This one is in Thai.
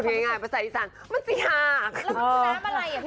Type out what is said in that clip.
พูดง่ายภาษาที่สั่งมันเขียนแบบอาก